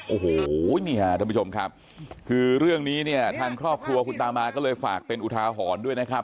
โอ้โหนี่ฮะท่านผู้ชมครับคือเรื่องนี้เนี่ยทางครอบครัวคุณตามาก็เลยฝากเป็นอุทาหรณ์ด้วยนะครับ